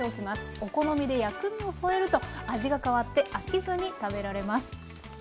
お好みで薬味を添えると味が変わって飽きずに食べられます。